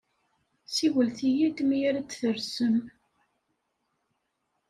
Siwlet-iyi-d mi ara d-tersem.